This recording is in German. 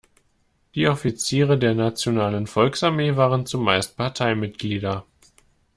Die Offiziere der Nationalen Volksarmee waren zumeist Parteimitglieder.